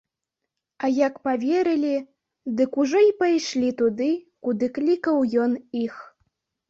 А як паверылі, дык ужо й пайшлі туды, куды клікаў ён іх.